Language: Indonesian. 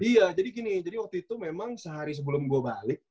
iya jadi gini jadi waktu itu memang sehari sebelum gue balik